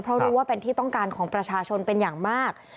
เพราะรู้ว่าเป็นที่ต้องการของประชาชนเป็นอย่างมาก